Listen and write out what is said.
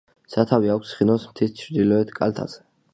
სათავე აქვს ხინოს მთის ჩრდილოეთ კალთაზე.